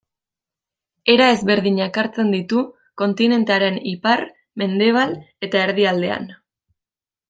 Era ezberdinak hartzen ditu kontinentearen ipar, mendebal eta erdialdean.